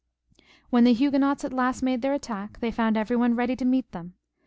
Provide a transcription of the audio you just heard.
When the Huguenots at last made their attack, they found every one ready to meet them.